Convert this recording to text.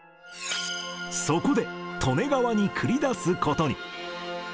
そこで利根川に繰り出すことに。